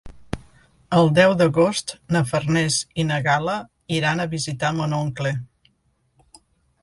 El deu d'agost na Farners i na Gal·la iran a visitar mon oncle.